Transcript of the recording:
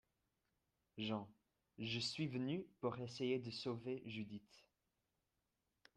JEAN : Je suis venu pour essayer de sauver Judith.